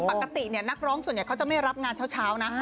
ปกตินักร้องส่วนใหญ่เขาจะไม่รับงานเช้านะ